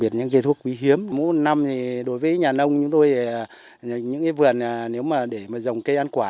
thuốc quý hiếm mỗi năm đối với nhà nông chúng tôi những vườn nếu mà để dòng cây ăn quả